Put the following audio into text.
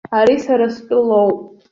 Ари сара стәы лоуп.